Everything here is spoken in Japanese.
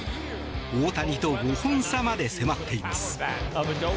大谷と５本差まで迫っています。